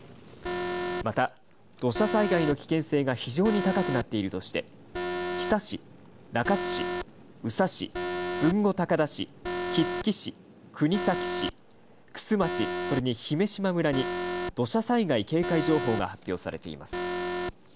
また、土砂災害の危険性が非常に高くなっているとして日田市、中津市、宇佐市豊後高田市杵築市、国東市玖珠町、それに姫島村に土砂災害警戒情報が発表されています。